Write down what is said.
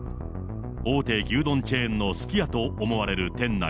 大手牛丼チェーンのすき家と思われる店内。